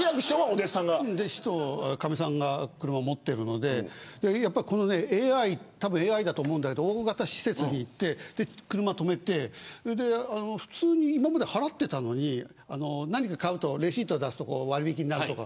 弟子と、かみさんが車を持っているのでたぶんＡＩだと思うんだけど大型施設に行って車を止めて普通に今まで払っていたのに何か買って、レシートを出すと割引になるとか。